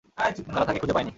তারা তাকে খুঁজে পায় নি।